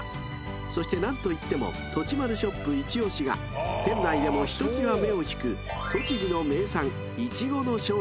［そして何といってもとちまるショップイチオシが店内でもひときわ目を引く栃木の名産］